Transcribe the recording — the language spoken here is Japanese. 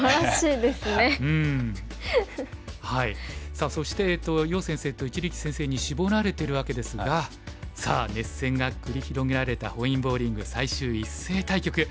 さあそして余先生と一力先生に絞られているわけですがさあ熱戦が繰り広げられた本因坊リーグ最終一斉対局